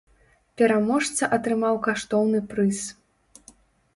Пераможца атрымаў каштоўны прыз.